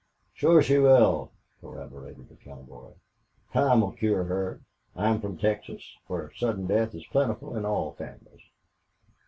"Shore she will," corroborated the cowboy. "Time'll cure her. I'm from Texas, whar sudden death is plentiful in all families."